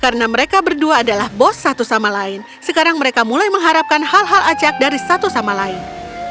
karena mereka berdua adalah bos satu sama lain sekarang mereka mulai mengharapkan hal hal acak dari satu sama lain